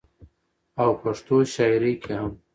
او پښتو شاعرۍ کې هم